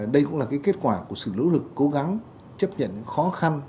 đây cũng là kết quả của sự lỗ lực cố gắng chấp nhận khó khăn